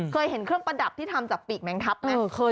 เคยเห็นเครื่องประดับที่ทำจากปีกแมงทัพไหม